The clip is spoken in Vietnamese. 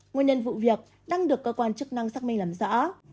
nguyên nhân vụ việc đang được cơ quan chức năng xác minh làm rõ